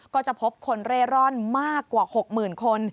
ก็จะพบคนเร่ร่อนมากกว่า๖๐๐๐คน